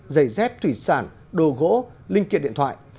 giày dép thủy sản đồ gỗ linh kiện điện thoại